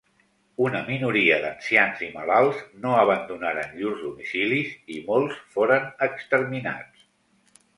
Una minoria d'ancians i malalts no abandonaren llurs domicilis, i molts foren exterminats.